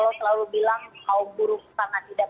kalau selalu bilang kaum buruk sangat tidak